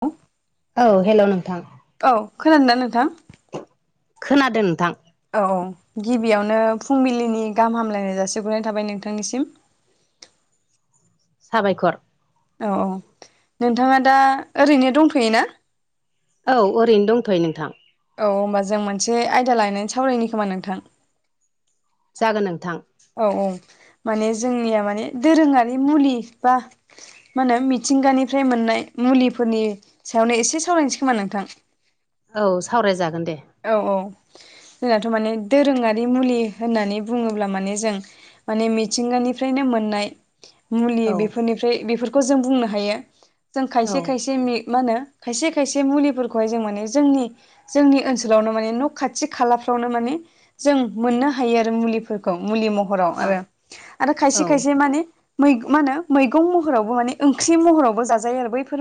औ औ हेलौ नोंथां औ खोनादों [unintelligible] नोंथां। खोनादों नोंथां। औ गिबियावनो फुंबिलिनि गाहाम हामलायनाय जासिग्रोनाय थाबाय नोंथांनिसिम साबायखर औ औ नोंथाङा दा ओरैनो दंथ'योना? औ ओरैनो दंथ'यो नोंथां औ होमबा जों मोनसे आयदा लायनानै सावरायनि खोमा नोंथां। जागोन नोंथां। औ औ माने जोंनिया माने दोरोङारि मुलि बा मा होनो मिथिंगानिफ्राय मोननाय मुलिफोरनि सायावनो एसे सावरायनोसै खोमा नोंथां? औ सावरायजागोन दे। औ औ जोंनाथ' माने दोरोङारि मुलि होननानै बुङोब्ला माने जों माने मिथिंगानिफ्रायनो मोननाय मुलि औ बेफोरनिफ्राय बेफोरखौ जों बुंनो हायो जों औ खायसे खायसे मि मा होनो खायसे खायसे मुलिफोरखौहाय जों माने जोंनि जोंनि ओनस सोलावनो माने न' खाथि खालाफ्रावनो माने जों मोननो हायो आरो मुलिफोर मुलि महराव औ आरो, आरो औ खायसे खायसे माने मैग मा होनो मैगं महरावबो माने ओंख्रि महरावबो जाजायो आरो बैफोर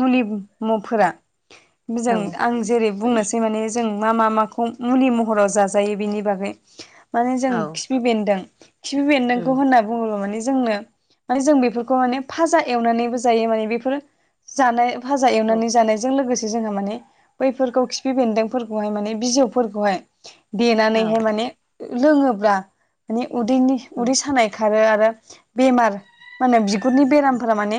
मुलि म फोरा औ [unintelligible] आं जेरै बुंनोसै माने जों मा मा माखौ मुलि महराव जाजायो बेनि बागै माने जों औ खिफि बेन्दों खिफि उम बेन्दोंखौ होननानै बुङोब्ला माने जोंनो मे जों बेफोरखौ माने फाजा एवनानैबो जायो माने बेफोर जानाय फाजा औ एवनानै जानायजों लोगोसे जोंहा माने बैफोरखौ खिफि बेन्दोंफोर खौ हाय माने बिजौफोरखौहाय औ देनानैहाय माने लोङोब्ला माने उदैनि उम उदै सानाय खारो आरो बेमार माने बिगुरनि बेरामफोरा माने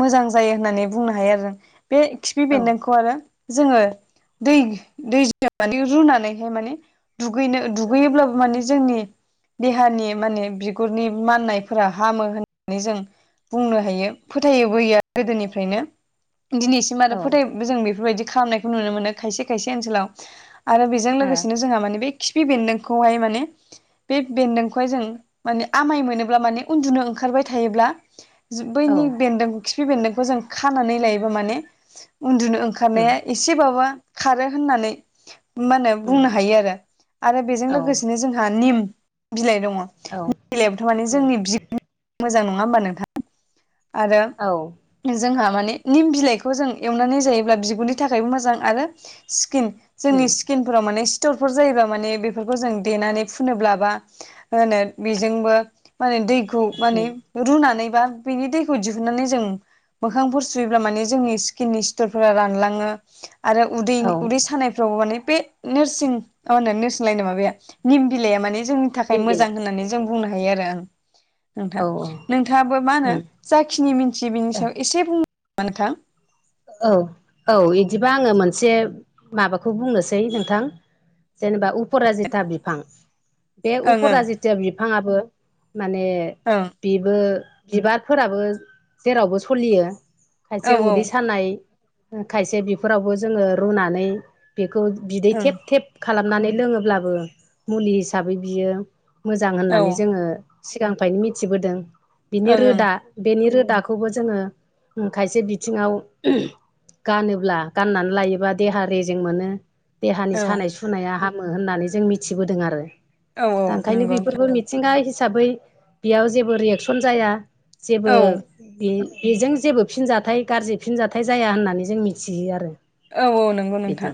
मोजां जायो होननानै बुंनो हायो आरो। बे खिफि औ बेन्दोंखौ आरो जोङो दै दैजों माने रुनानैहाय माने दुगैनो दुगैयोब्लाबो माने जोंनि देहानि माने बिगुरनि माननायफोरा हामो होननानै जों बुंनो हायो फोथायोबोयो। गोदोनिफ्रायनो दिनैसिम आरो ओ फोथाय जों बेफोरबायदि खालामनायखौ नुनो मोनो खायसे खायसे ओनसोलाव आरो बेजों लोगोसेनो जोंहा माने बे खिफि बेन्दोंखौहाय माने बे बेन्दोंखौहाय जों माने आमाय मोनोब्ला माने उन्दुनो ओंखारबाय थायोब्ला औ बैनि बेन्दों खिफि बेन्दोंखौ जों खानानै लायोबो माने उन्दुनो उम ओंखारनाया एसेबाबो खारो होननानै मा होनो उम बुंनो हायो आरो। आरो बेजों औ लोगोसेनो जोंहा निम बिलाइ दङ, औ निम बिलायावथ' माने उम जोंनि मोजां नङा होमबा नोंथाङा? आरो औ। जोंहा माने निम बिलाइखौ जों एवनानै जायोब्ला बिगुरनि थाखायबो मोजां आरो सिकिन जोंनि सिक स्किनफोराव माने सिटरफोर जायोबा माने बेफोरखौ जों देनानै फुनोब्ला बा होनो बेजोंबो माने दैखौ उम माने रुनानैबा बिनि दैखौ दिहुननानै जों मोखांफोर सुयोब्ला माने जोंनि स्किननि सिथरफोरा रानलाङो आरो उदै औ उदै सानायफ्रावबो माने बे नोरसिं होनना नोरसिं लाय नो माबाया निम बिलाइया माने जोंनि थाखाय निम मोजां बिलाइ होननानै जों जों बुंनो हायो आरो ओं औ नोंथाङ नोंथाङाबो मा होनो उम जाखिनि मिन्थियो बिनि सायाव एसे बुंदो नोंथां? औ औ बिदिबा आङो मोनसे माबाखौ बुंनोसै नोंथां। जेनेबा उपेराजिता बिफां बे ओं उफेराजिता बिफाङाबो माने बिबो बिबारफोराबो जेरावबो सलियो खायसे ओं उदै सा सानाय खायसे बेफोरावबो जोङो रुनानै बेखौ बिदै ओं थेब थेब खालामनानै लोङोब्लाबो मुलि हिसाबै बियो मोजां औ होननानै ओं जोङो। सिगांनिफ्रायनो मिथिबोदों बिनि औ ओं रोदा बेनि रोदाखौबो जोङो खायसे बिथिङाव [unintelligible] गानोब्ला गाननानै लायोब्ला देहा रेजें मोनो देहानि ओं सानाय सु नाया हामो होननानै जों मिथिबोदों आरो औ औ दा ओंखायनो नंगौ नोंथां बेफोरबो मिथिंगा हिसाबै बेयाव जेबो रियेकसन जाया जेबो औ बे बेजों जेबो फिनजाथाइ गाज्रि फिनजाथाइ जाया होननानै जों मिथियो आरो औ औ नंगौ बिदि नोंथां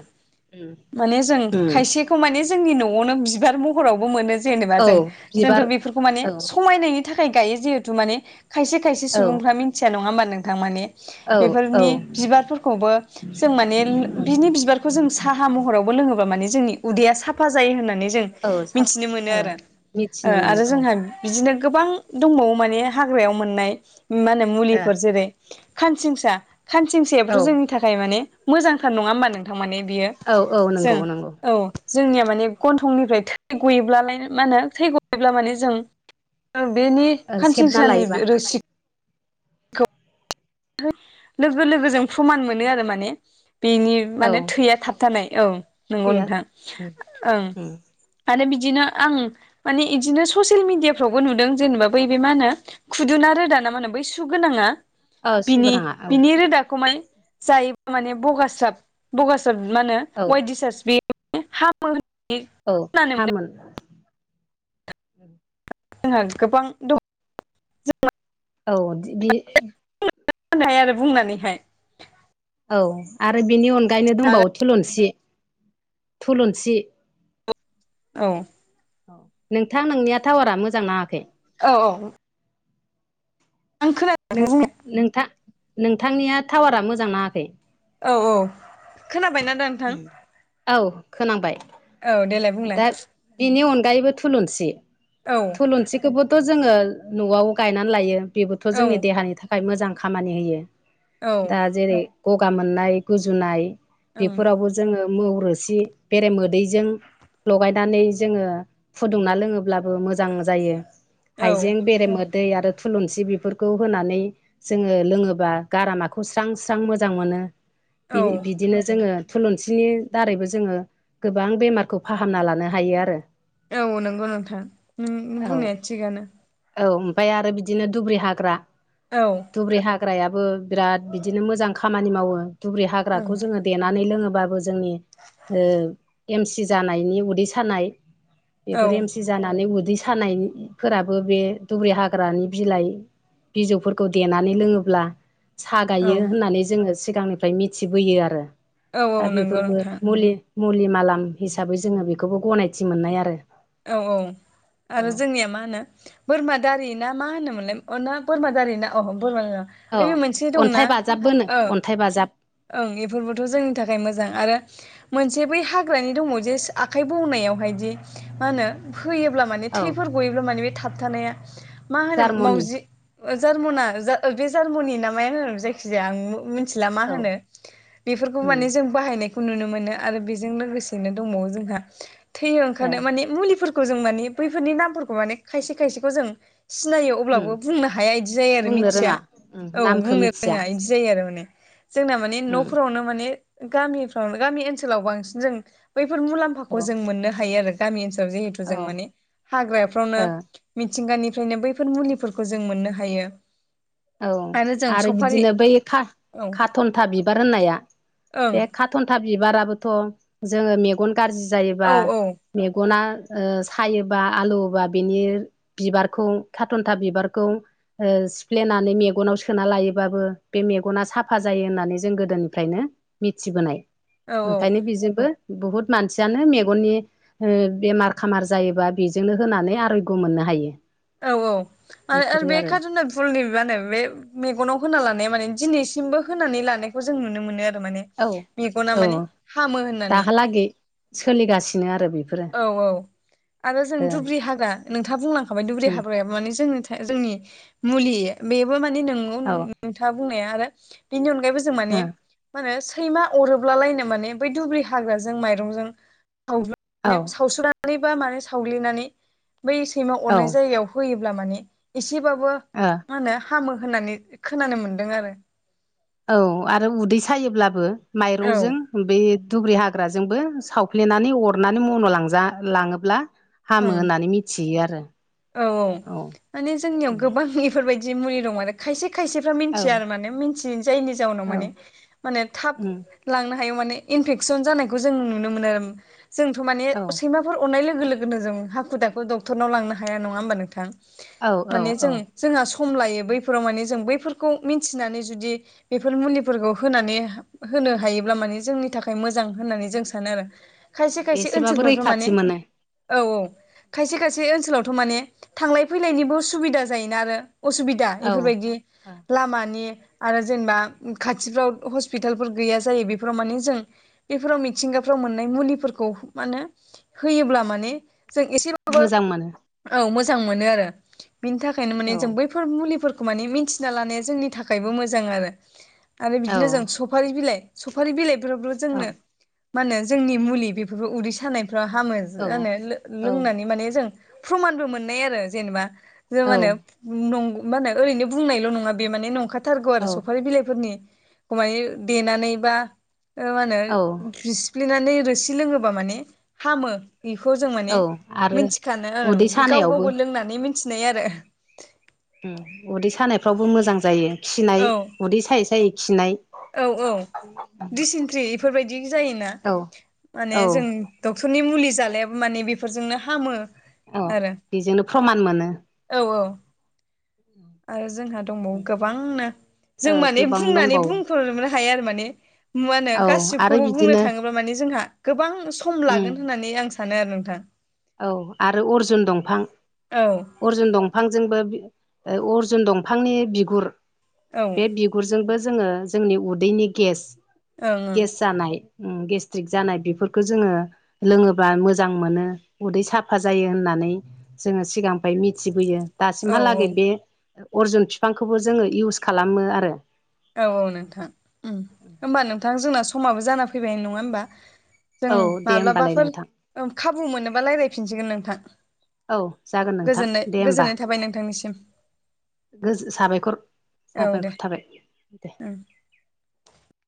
माने जों उम खायसेखौ माने जोंनि न'आवनो बिबार महरावबो मोनो जेनेबा औ जों जोंथ बिबार बेफोरखौ माने औ समायनायनि थाखाय गायो जेहेतु माने खायसे खायसे औ सुबुंफ्रा मिथिया नङा होमबा नोंथां माने औ औ बेफोरनि बिबारफोरखौबो जों माने बिनि बिबारखौ जों साहा महरावबो लोङोबा माने जोंनि उदैया साफा जायो होननानै जों औ साब मिथिनो मोनो ओ आरो मिथिनो मोनो आरो जोंहा औ बिदिनो गोबां दंबावो माने हाग्रायाव मोननाय मा होनो मुलिफोर जेरै खानसिंसा ओ खानसिंसायाबोथ' जोंनि थाखाय माने मोजांथार नङा होमबा नोंथां माने बियो औ औ जों नंगौ नंगौ औ जोंनिया माने गन्थंनिफ्राय थै गयोब्लालाय मा होनो थै गयोब्ला माने जों बेनि ओ सेबना खानसिंसानि लायोबा रोसिखौ लोगो लोगो जों प्रमान मोनो आरो माने बेनि औ माने थैया थाब थानाय औ नंगौ थैया नोंथां उम ओं उम आरो बिदिनो आं माने बिदिनो ससियेल मिडियाफ्रावबो नुदों जेनेबा बै बे मा होनो खुदुना रोदा ना मा होनो बै सु गोनाङा औ बिनि सुगोनाङा औ बिनि रोदा बेखौ माने जायोबा माने बगास्राब बगास्राब मा होनो औ आइट दिसार्च बे हामो होनो औ खोनानो मोनदों हामोन जोंहा गोबां दं जोङो औ बे होननो हायो आरो बुंनानैहाय औ आरो बिनि अनगायैनो दंबावो थुलुंसि थुलुंसि औ नोंथां नोंनिया टावारा मोजां नाङाखै औ औ नों खोना नो-नोंथां नोंथांनिया टावारा मोजां नाङाखै औ औ खोनाबायना दा नोंथां औ खोनाबाय औ देलाय बुंलाय बिनि अनगायैबो थुलुंसि औ थुलुंसिखौबोथ' जोङो न'आव गायनानै लायो बेबोथ' औ जोंनि देहानि थाखाय थाखाय मोजां खामानि होयो दा ओं जेरै गगा मोननाय गुजुनाय बेफोरावबो जोङो मौ रोसि बेरे मोदैजों लगायनानै जोङो फुदुंना लोङोब्लाबो मोजां जायो औ हाइजें बेरेमोदै आरो थुलुंसि बेफोरखौ होनानै जोङो लोङोबा गारामाखौ स्रां स्रां मोजां मोनो औ बिदिनो जोङो थुलुंसिनि दारैबो जोङो गोबां बेमारखौ फाहामना लानो हायो आरो औ नंगौ नोंथां नों औ बुंनाया थिगानो औ ओमफ्राय आरो बिदिनो दुब्रि हाग्रा औ दुब्रि हाग्रायाबो बिराद बिदिनो मोजां खामानि मावो दुब्रि ओं हाग्राखौ जोङो देनानै लोङोबो जोंनि एमसि जानायनि उदै सानाय औ बेफोर एमसि जानानै उदै सानायफोराबो बे दुब्रि हाग्रानि बिलाइ बिजौफोरखौ देनानै लोङोब्ला सागायो होननानै जोङो सिगांनिफ्राय मिथिबोयो आरो औ दा औ नंगौ बेफोरबो नोंथां मुलि-मुलि मालाम हिसाबै जोङो बेखौबो गनायथि मोननाय आरो। औ-औ औ आरो जोंनिया मा होनो बोरमा दारि ना मा होनोमोनलाय औना बोरमा दारि ना अह बोरमा औ ओइबो मोनसे दंना अन्थाइ बाजाबबोनो औ अन्थाइ बाजाब ओं बेफोरबोथ' जोंनि थाखाय मोजां आरो मोनसे बै हाग्रानि दङ' जे आखाइ बौनायावहायदि मा होनो होयोब्ला माने औ थैफोर गयोब्ला माने बे थाबथानाया मा होनो जार्मनि मावजि जार्मना बे जार्मनि नामाया होनो जायखिजाया आं मा औ होनो बेफोरखौ उम माने जों बाहायनायखौ नुनो मोनो आरो बेजों लोगोसेनो दंबावो जोंहा थै ए ओंखारनायाव माने मुलिफोर जों माने बैफोरनि नामफोरखौ माने खायसे खायसेखौ जों सिनायो अब्लाबो उम बुंनो हाया बिदि जायो आरो बुंनो मिथिया रोङा उम औ नामखौ बुंनो मिथिया रोङा बिदि जायो आरो माने जोंना माने उम न'फोरावनो माने गामिफ्राव गामि ओनसोलाव बांसिन जों बैफोर औ मुलाम्फाखौ जों मोननो हायो आरो। गामि ओनसोलाव जिहेथु ओ जों माने हाग्राफ्रावनो मिथिंगानिफ्रायनो बैफोर मुलिफोरखौ जों मोननो हायो। औ जों आरो सफारि बिदिनो बै खा औ खाथन्था बिबार होननाया ओं बे थन्था बिबाराबोथ' जोङो मेगन गाज्रि जायोबा औ औ मेगना सायोबा आलौवोबा बेनि बिबारखौ खाथन्था बिबारखौ सिफ्लेनानै मेगनाव सोना लायोबाबो बे मेगना साफा जायो होननानै जों गोदोनिफ्रायनो मिथिबोनाय। औ औ ओंखायनो बेजोंबो बुहुद मानसियानो मेगननि बेमार सामार जायोबा बेजोंनो होनानै रैखा मोननो हायो। औ-औ आरो-आरो बेफोरो बे आरो खाथना फुलनि बिबानो बे मेगनाव होना लानाया माने दिनैसिमबो होनानै लानायखौ जों नुनो मोनो आरो माने औ मेगना औ माने हामो होननानै दाहालागै सोलिगासिनो आरो बेफोरो औ-औ आरो जों ओ दुब्रि हाग्रा नोंथाङा बुंलांखाबाय दुब्रि उम हाग्रायाबो माने जोंनि-जोंनि मुलि बेबो मानि नोंगौ औ ओ नोंथाङा बुंनाया आरो बेनि अनगायैबो जों माने मा होनो। सैमा अरोब्लालायनो माने बै दुब्लि हाग्राजों माइरंजों साव औ सावसुवनानै मारैबा माने सावग्लिनानै बै सैमा औ ओ अरनाय जायगायाव होयोब्ला माने एसेबाबो ओ मा होनो हामो होननानै खोनानो मोन्दों आरो। औ आरो उदै सायोब्लाबो औ माइरंजों बे दुब्रि हाग्राजोंबो सावफ्लेनानै अरनानै मन' लांजा लाङोब्ला हामो होननानै मिथियो आरो। औ-औ औ माने जोंनियाव गोबां बेफोरबायदि मुलि दं आरो खायसे -खायसे औ मिथिया आरो माने मिथियै जायनि जाउनाव औ माने-माने थाब उम लांनो हायो माने इनफेकसन जानायखौ जों नुनो मोनो। आरो जोंथ' माने औ सैमा हफोर अरनाय लोगो -लोगोनो जों हाखु दाखु डक्टरनाव लांनो हाया नङा होमबा नोंथां औ औ माने जों औ जोंहा सम लायो बैफोराव माने जों बैफोरखौ मिथिनानै जुदि बेफोर मुलिफोरखौ होनानै होनो हायोब्ला माने जोंनि थाखाय मोजां होननानै जों सानो आरो। खायसे -खायसे एसेबाबो ओनसोलफोरावथ' माने रैखाथि मोनो औ औ खायसे -खायसे ओनसोलावथ' माने थांलाय फैलायनिबो सुबिदा जायोना आरो असुबिदा दा औ इफोरबायदि औ लामानि आरो जेनेबा खाथिफ्राव हस्पिटालफोर गैया जायो बेफोराव माने जों बेफोराव मिथिंगाफ्राव मोननाय मुलिफोरखौ माने होयोब्ला माने जों एसे मोजां मोनो औ मोजां मोनो आरो बिनि थाखायनो औ माने जों बै म म ल जोंनि थाखाय मोजां आरो आरो औ बिदिनो जों स सफारि बिलाइ सफारि बिलाइफोरावबो औ जोंनो मा होनो जोंनि मुलि बेफोरखौ उदै सानायफ्राव हामो औ जानो औ लोंनानै माने जों प्रमानबो मोननाय आरो जेनेबा जों म औ होने ं मा होनो ओरैनो बुंनायल' नङा बे माने नंखाथारगौ औ आरो सफारि बिलाइफोरनि एखमानि देनानै बा मा होनो खुफ्ललिनानै रोसि लोङोबा माने हामो बेखौ जों माने औ आरो मिथि खानो उदै गाव सानायावबो गावबो लोंनानै मिथिनाय आरो उदै सानायफ्रावबो मोजां जायो खिनाय औ उदै सायै सायै खिनाय औ औ ्रिसिनट्रि बेफोरबायदि जायोना औ माने औ जों डक्टरनि मुलि जालाय माने बेफोरजोंनो हामो औ आरो बेजोंनो प्रमान मोनो औ औ आरो जोंहा दंबावो गोबांनो ओ जों माने गोबां बुंनानै दंबावो बुंखनो हायो आरो माने मा होनो औ आरो गासिबखौबो बुंनो बिदिनो थाङोब्ला माने जोंहा गोबां सम उम लागोन होननानै आं सानो आरो नोंथां औ आरो अर्जुन दंफां औ अर्जुन दंफांजोंबो अर्जुन दंफांनि बिगुर औ ओं बे बि ग गुरजोंबो जोङो जोंनि उदैनि गेस ओं गेस जानाय गेस्ट्रिक जानाय बेफोरखौ जोङो लोङोब्ला मोजां मोनो उदै साफा जायो होननानै जोङो सिगांफ्रायाय मिथिबोयो औ औ दासिमहालागै बे अरजुन बििफांखौबो जोङो इउस खालामो आरो औ औ नोंथां होनोमबा नोंथां जोंना समाबो जाना फैबाय नङा होमबा जों औ दे होमबालाय माब्लाबाफोर नोंथां खाबु मोनोबा रायज्लायफिनसिगोन नोंथां औ जागोन नोंथां गोजोननाय दे होमबा गोजोननाय थाबाय नोंथांनिसिम गो साबायखर औ दे साबायखर थाबाय दे [inaudible]